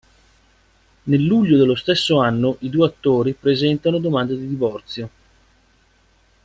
Nel luglio dello stesso anno i due attori presentano domanda di divorzio.